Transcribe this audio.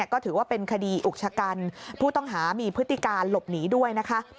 ก็ถือว่าเป็นคดีอุกชะกันผู้ต้องหามีพฤติการหลบหนีด้วยนะคะ